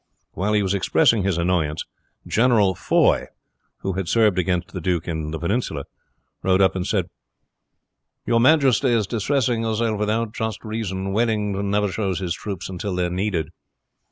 While he was expressing his annoyance, General Foy, who had served against the duke in the Peninsula, rode up and said: "Your majesty is distressing yourself without just reason, Wellington never shows his troops until they are needed.